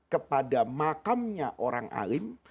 kepada makamnya orang alim